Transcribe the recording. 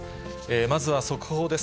まずは速報です。